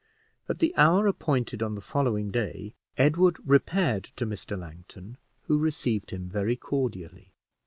At the hour appointed on the following day, Edward repaired to Mr. Langton, who received him very cordially.